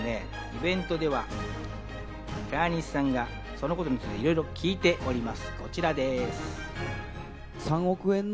イベントでは、川西さんがそのことについて、いろいろ聞いております、こちらです！